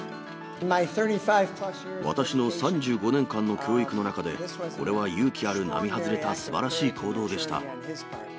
私の３５年間の教育の中で、これは勇気ある並外れたすばらしい行動でした。